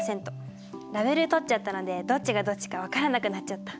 ラベル取っちゃったのでどっちがどっちか分からなくなっちゃった。